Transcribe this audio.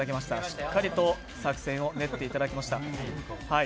しっかりと作戦を練っていただきました。